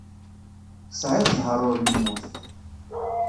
Tesεiḍ ẓẓher ur nemmut.